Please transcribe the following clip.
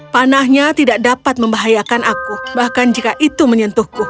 panahnya tidak dapat membahayakan aku bahkan jika itu menyentuhku